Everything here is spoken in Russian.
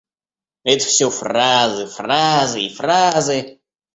Это всё фразы, фразы и фразы!